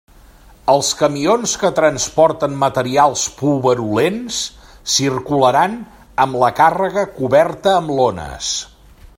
Els camions que transporten materials pulverulents circularan amb la càrrega coberta amb lones.